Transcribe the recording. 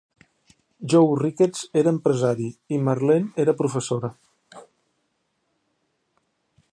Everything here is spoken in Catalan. Joe Ricketts era empresari i Marlene era professora.